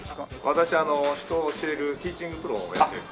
私人を教えるティーチングプロをやっております。